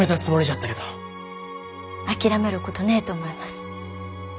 諦めることねえと思います。